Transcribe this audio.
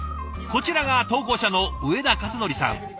こちらが投稿者の上田和範さん。